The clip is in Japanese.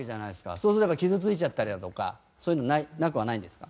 そうするとやっぱり傷ついちゃったりだとかそういうのなくはないんですか？